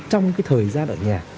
trong cái thời gian ở nhà